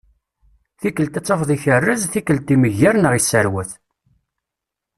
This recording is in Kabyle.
Tikkelt ad tafeḍ ikerrez, tikkelt imegger neɣ isserwat.